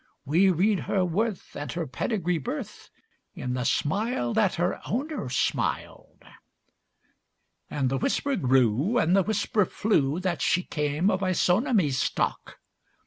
We read her worth and her pedigree birth In the smile that her owner smiled.' And the whisper grew and the whisper flew That she came of Isonomy stock.